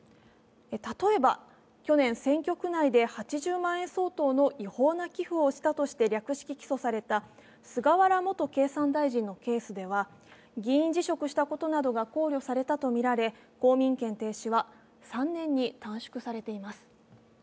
例えば、去年、選挙区内で８０万円相当の違法な寄付をしたとして略式起訴された菅原元経産大臣のケースでは議員辞職したことなどが考慮されたとみられ公民権停止は３年に短縮されています。